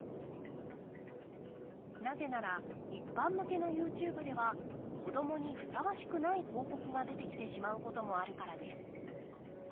なぜなら一般向けのＹｏｕＴｕｂｅでは子どもにふさわしくない広告が出てきてしまうこともあるからです。